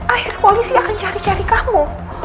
akhirnya polisi akan cari cari kamu